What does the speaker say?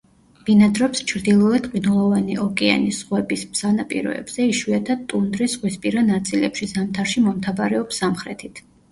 ბინადრობს ჩრდილოეთ ყინულოვანი ოკეანის ზღვების სანაპიროებზე, იშვიათად ტუნდრის ზღვისპირა ნაწილებში; ზამთარში მომთაბარეობს სამხრეთით.